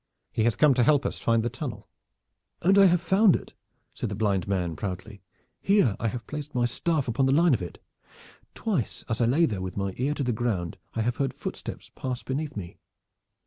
He has come to help us to find the tunnel." "And I have found it," said the blind man proudly. "Here I have placed my staff upon the line of it. Twice as I lay there with my ear to the ground I have heard footsteps pass beneath me."